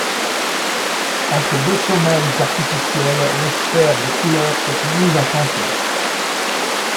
Entre deux sommeils artificiels les sphères de couleurs se sont mises à chanter.